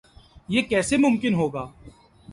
یہ کیسے ممکن ہو گا؟